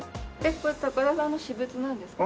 これ高田さんの私物なんですか？